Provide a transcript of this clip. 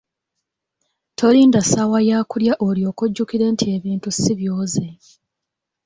Tolinda ssaawa ya kulya olyoke ojjukire nti ebintu si byoze.